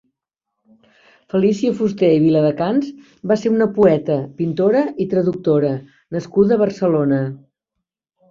Felícia Fuster i Viladecans va ser una poeta, pintora i traductora nascuda a Barcelona.